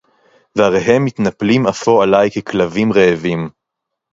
והריהם מתנפלים אפוא עלי ככלבים רעבים.